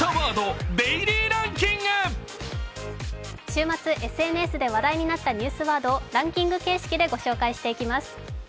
週末、ＳＮＳで話題になったニュースワードをランキング形式でご紹介していきます。